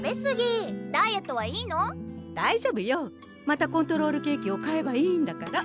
またコントロールケーキを買えばいいんだから。